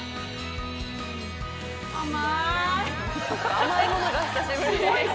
甘い！